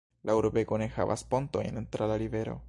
La urbego ne havas pontojn tra la rivero.